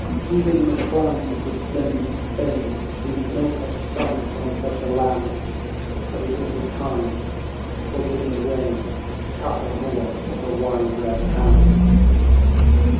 Even in the climeOf resplendent Spain, Beams no such sun upon such a land; But it was the time,'T was in the reign, Of Cahal Mór of the Wine red Hand.